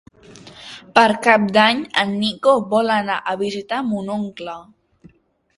Per Cap d'Any en Nico vol anar a visitar mon oncle.